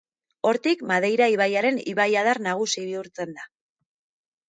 Hortik Madeira ibaiaren ibaiadar nagusi bihurtzen da.